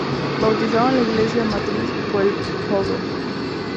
Bautizado en la Iglesia Matriz por el Pbro.